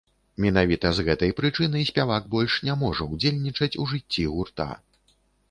Менавіта з гэтай прычыны спявак больш не можа ўдзельнічаць у жыцці гурта.